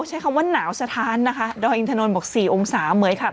ใช้คำว่าหนาวสถานนะคะดอยอินทนนทบอก๔องศาเหมือนขับ